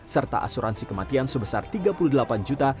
serta asuransi kematian sebesar tiga puluh delapan juta